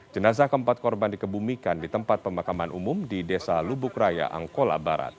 jenazah keempat korban dikebumikan di tempat pemakaman umum di desa lubuk raya angkola barat